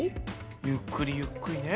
ゆっくりゆっくりね。